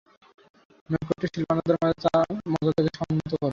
নৈকট্যশীল বান্দাদের মাঝে তাঁর মর্যাদাকে সমুন্নত কর।